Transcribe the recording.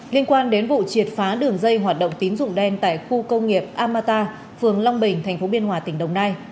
liên quan đến vụ triệt phá đường dây hoạt động tín dụng đen tại khu công nghiệp amata phường long bình tp biên hòa tỉnh đồng nai